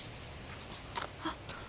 あっ。